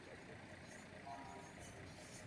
Ademas de su carrera como futbolista.